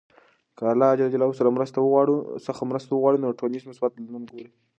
که له الله ج سره مرسته وغواړو، نو ټولنیز مثبت بدلون ګورﻱ.